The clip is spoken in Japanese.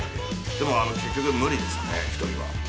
でも結局無理でしたね１人は。